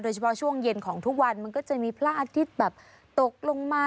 เฉพาะช่วงเย็นของทุกวันมันก็จะมีพระอาทิตย์แบบตกลงมา